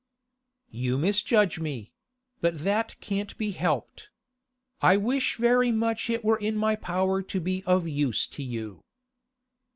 'You misjudge me; but that can't be helped. I wish very much it were in my power to be of use to you.